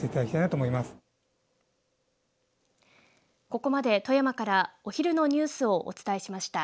ここまで、富山からお昼のニュースをお伝えしました。